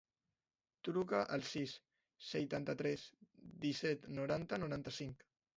Truca al sis, seixanta-tres, disset, noranta, noranta-cinc.